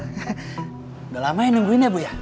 sudah lama yang nungguin ya bu ya